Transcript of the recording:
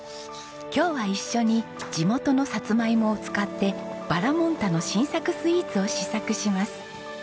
今日は一緒に地元のサツマイモを使ってバラモン太の新作スイーツを試作します。